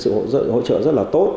sự hỗ trợ rất là tốt